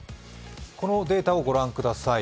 このデータを御覧ください。